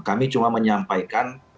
kami cuma menyampaikan